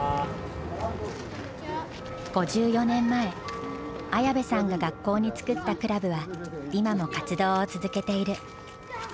５４年前綾部さんが学校に作ったクラブは今も活動を続けている。